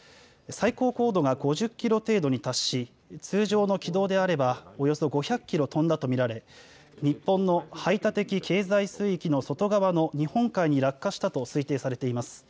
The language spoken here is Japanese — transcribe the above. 最高高度が５０キロ程度に達し通常の軌道であればおよそ５００キロ飛んだと見られ日本の排他的経済水域の外側の日本海に落下したと推定されています。